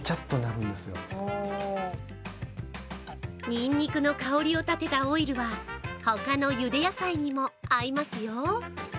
にんにくの香りを立てたオイルは、ほかのゆで野菜にも合いますよ。